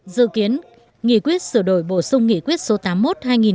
dự kiến nghị quyết sửa đổi bổ sung nghị quyết số tám mươi một hai nghìn bốn